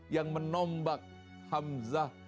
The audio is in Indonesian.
yang menombak hamzah